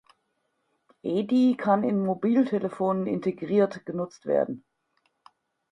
Edy kann in Mobiltelefonen integriert genutzt werden.